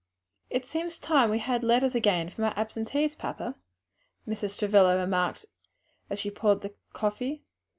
"It seems time we had letters again from our absentees, papa," Mrs. Travilla remarked as she poured the coffee.